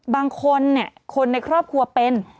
บางคนคนในครอบครัวเป็น